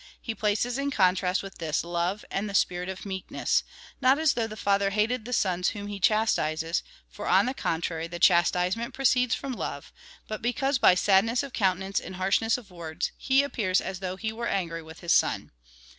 He places in con trast with this, love, and the spirit of meekness — not as though the father hated the sons whom he chastises, for on the con trary the chastisement proceeds from love, but because by sadness of countenance and harshness of words, he appears as though he were angry with his son.